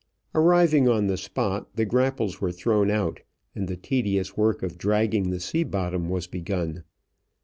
Arriving on the spot, the grapples were thrown out and the tedious work of dragging the sea bottom was begun.